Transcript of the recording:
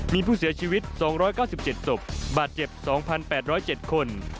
มีผู้เสียชีวิต๒๙๗ศพบาดเจ็บ๒๘๐๗คน